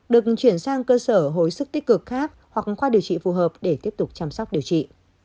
được chuyển sang cơ sở hồi sức tích cực khác hoặc khoa điều trị phù hợp để tiếp tục chăm sóc điều trị